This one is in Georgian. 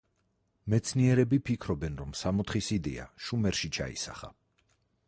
მეცნიერები ფიქრობენ, რომ სამოთხის იდეა შუმერში ჩაისახა.